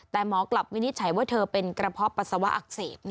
แต่หมอกลับวินิจฉัยว่าเธอเป็นกระเพาะปัสสาวะอักเสบ